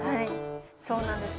そうなんです。